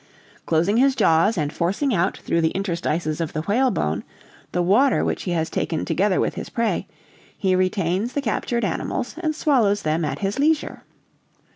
"Closing his jaws and forcing out, through the interstices of the whalebone, the water which he has taken together with his prey, he retains the captured animals, and swallows them at his leisure.